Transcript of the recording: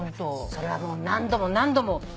それはもう何度も何度も。